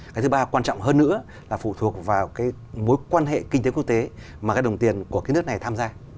cái thứ ba quan trọng hơn nữa là phụ thuộc vào mối quan hệ kinh tế quốc tế mà đồng tiền của nước này tham gia